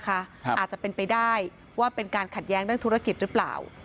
อาจจะเป็นไปได้ว่าเป็นการขัดแย้งเรื่องธุรกิจหรือเปล่า